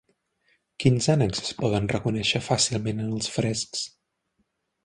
Quins ànecs es poden reconèixer fàcilment en els frescs?